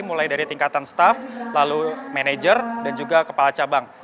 mulai dari tingkatan staff lalu manajer dan juga kepala cabang